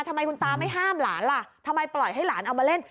ทำไมคุณตาไม่ห้ามหลานล่ะทำไมปล่อยให้หลานเอามาเล่น